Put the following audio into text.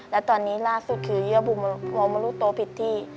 และตอนนี้ล่าสุดคือเยื่อบุมพอมารู้ตัวผิดที่